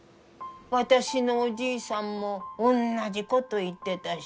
私のおじいさんもおんなじこと言ってたし。